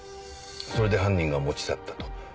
それで犯人が持ち去ったと？